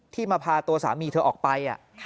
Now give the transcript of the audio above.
มาพาตัวสามีเธอออกไป